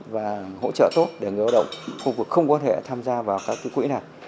và hỗ trợ tốt để người lao động khu vực không có thể tham gia vào các quỹ này